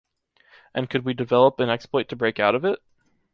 And could we develop an exploit to break out of it?